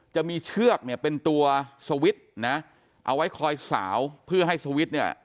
จะมีเชือกเนี่ยเป็นตัวสวิตช์นะเอาไว้คอยสาวเพื่อให้สวิตช์เนี่ย